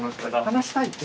話したいって？